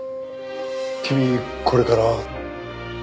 君これから。